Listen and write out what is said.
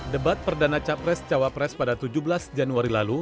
debat perdana capres cawapres pada tujuh belas januari lalu